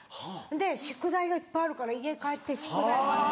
で宿題がいっぱいあるから家帰って宿題をやって。